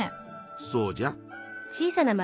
そうじゃ。